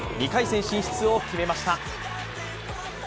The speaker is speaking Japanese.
２回戦進出を決めました。